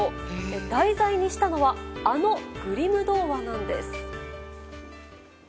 題材にしたのはあのグリム童話です。